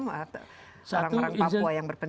orang orang papua yang berpenga